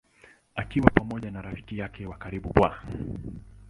Akiwa pamoja na rafiki yake wa karibu Bw.